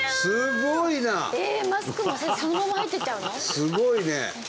すごいね！